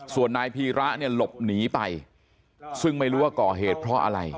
ส่วนนายพีระเนี่ยหลบหนีไปซึ่งไม่รู้ว่าก่อเหตุเพราะอะไร